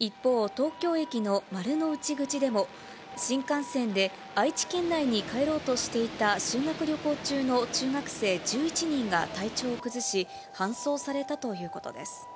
一方、東京駅の丸の内口でも、新幹線で愛知県内に帰ろうとしていた修学旅行中の中学生１１人が体調を崩し、搬送されたということです。